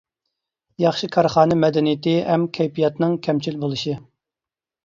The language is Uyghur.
ياخشى كارخانا مەدەنىيىتى ھەم كەيپىياتىنىڭ كەمچىل بولۇشى.